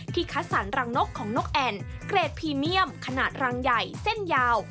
คัดสรรรังนกของนกแอ่นเกรดพรีเมียมขนาดรังใหญ่เส้นยาว